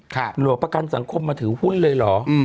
หลอกประกันสังคมมาถือหุ้นเลยเหรอ